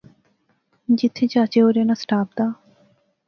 جتھے چاچے اوریں ناں سٹاپ دا